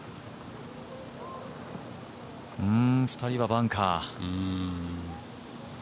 ２人はバンカー。